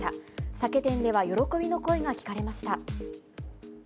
酒店では喜びの声が聞かれました。